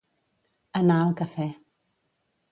Anar al cafè.